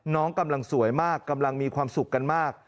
กำลังสวยมากกำลังมีความสุขกันมาก